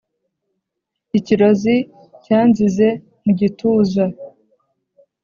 Ikirozi cyanzize mu gituza